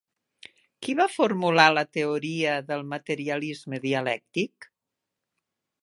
Qui va formular la teoria del materialisme dialèctic?